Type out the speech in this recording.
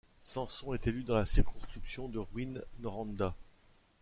Samson est élu dans la circonscription de Rouyn-Noranda.